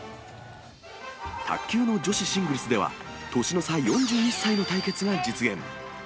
卓球の女子シングルスでは年の差４１歳の対決が実現。